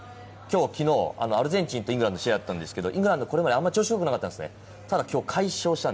実はきょう、きのう、アルゼンチンとイングランドの試合あったんですけど、イングランド、これまであんまり調子よくなかったんですね。